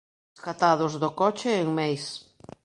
Rescatados do coche en Meis